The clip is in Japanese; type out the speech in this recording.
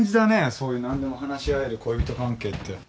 そういう何でも話し合える恋人関係って。